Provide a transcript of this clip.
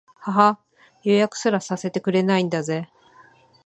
ははっ、予約すらさせてくれないんだぜ